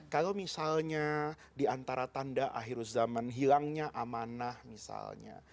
kalau misalnya diantara tanda akhir zaman hilangnya amanah misalnya